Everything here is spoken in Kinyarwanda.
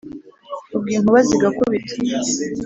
ubwo inkuba zigakubita